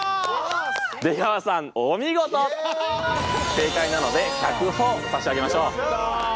正解なので１００ほぉ差し上げましょう。